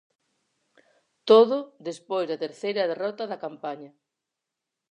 Todo despois da terceira derrota da campaña.